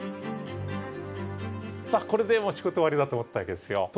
さこれでもう仕事終わりだと思ったわけですよ。